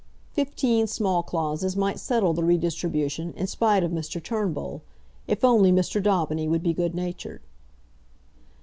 Fifteen small clauses might settle the redistribution, in spite of Mr. Turnbull, if only Mr. Daubeny would be good natured.